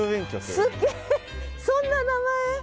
すっげえそんな名前！？